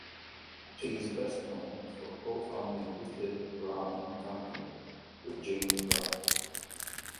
He is best known for co-founding Little, Brown and Company with James Brown.